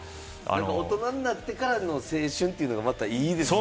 大人になってからの青春というのがまたいいよね。